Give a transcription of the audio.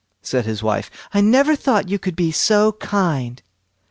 said his wife; "I never thought you could be so kind."